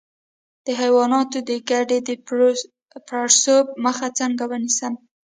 د حیواناتو د ګیډې د پړسوب مخه څنګه ونیسم؟